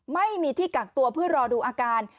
ไม่มีที่กักตัวเพื่อรอดูอาการ